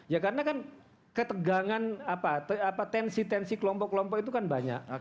ya karena kan ketegangan tensi tensi kelompok kelompok itu kan banyak